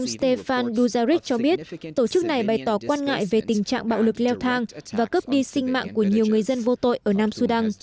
ông stefan duzaric cho biết tổ chức này bày tỏ quan ngại về tình trạng bạo lực leo thang và cướp đi sinh mạng của nhiều người dân vô tội ở nam sudan